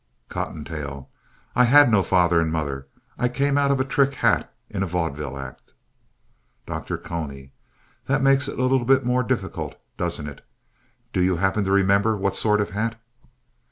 COTTONTAIL I had no father or mother. I came out of a trick hat in a vaudeville act. DR. CONY That makes it a little more difficult, doesn't it? Do you happen to remember what sort of a hat?